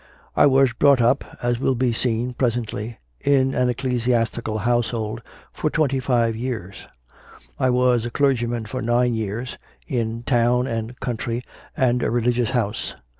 I was brought up, as will be seen presently, in an ecclesias tical household for twenty five years; I was a clergyman for nine years, in town and country and a Religious House.